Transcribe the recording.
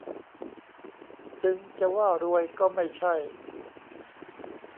จึงจะว่ารวยก็ไม่ใช่